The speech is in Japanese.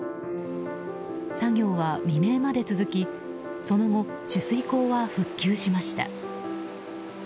作業は未明まで続きその後、取水口は復旧しました。